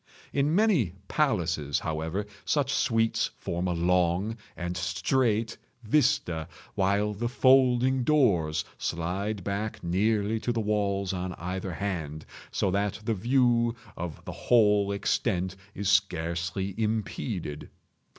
In many palaces, however, such suites form a long and straight vista, while the folding doors slide back nearly to the walls on either hand, so that the view of the whole extent is scarcely impeded.